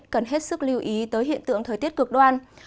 cần hết sức lưu ý tới hiện tượng thời tiết cực đoan